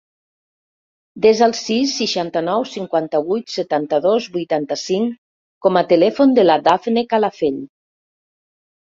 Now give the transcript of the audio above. Desa el sis, seixanta-nou, cinquanta-vuit, setanta-dos, vuitanta-cinc com a telèfon de la Dafne Calafell.